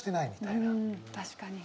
確かに。